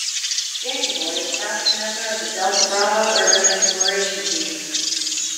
Danny Boy is founding member of the Delta Bravo Urban Exploration Team.